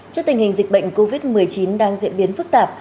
trước tình hình dịch bệnh covid một mươi chín đang diễn biến phức tạp